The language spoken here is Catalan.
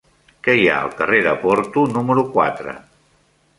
Què hi ha al carrer de Porto número quatre?